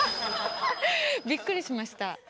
びっくりしました。